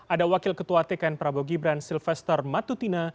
ada wakil ketua tkn prabowo gibran silvester matutina